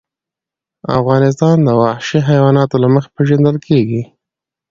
افغانستان د وحشي حیواناتو له مخې پېژندل کېږي.